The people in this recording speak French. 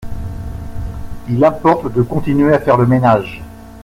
Il importe de continuer à faire le ménage.